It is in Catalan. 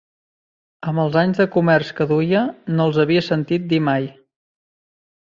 Amb els anys de comerç que duia, no els havia sentit dir mai